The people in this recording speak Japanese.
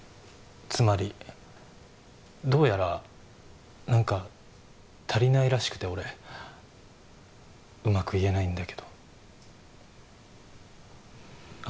つまりどうやら何か足りないらしくて俺うまく言えないんだけど